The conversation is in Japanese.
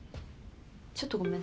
ちょっとごめんね。